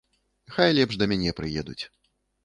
Хай лепш да мяне прыедуць!